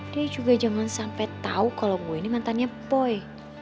dia juga jangan sampai tahu kalau gue ini mantannya poi